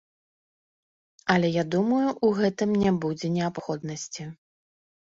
Але я думаю, ў гэтым не будзе неабходнасці.